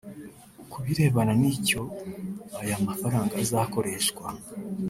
Ku birebana n’icyo aya mafaranga azakoreshwa